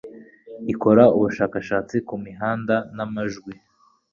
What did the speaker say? ikora ubushakashatsi kumihanda namajwi